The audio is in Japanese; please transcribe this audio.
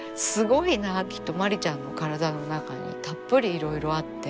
きっとまりちゃんの体の中にたっぷりいろいろあって。